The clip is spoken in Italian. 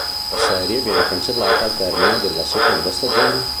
La serie viene cancellata al termine della seconda stagione.